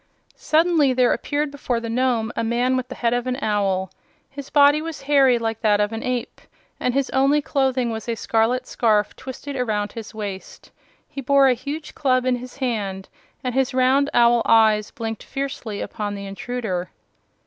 Suddenly there appeared before the Nome a man with the head of an owl. His body was hairy like that of an ape, and his only clothing was a scarlet scarf twisted around his waist. He bore a huge club in his hand and his round owl eyes blinked fiercely upon the intruder.